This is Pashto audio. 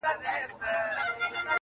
او ښکنځلو څخه ډکه وه -